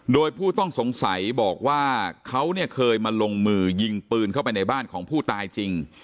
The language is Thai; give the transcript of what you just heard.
โดยผู้ต้องสงสัยบอกว่าเขาเนี่ยเคยมาลงมือยิงปืนเข้าไปในบ้านของผู้ตายจริง